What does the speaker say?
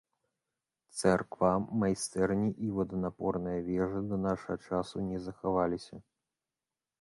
Царква, майстэрні і воданапорная вежа да нашага часу не захаваліся.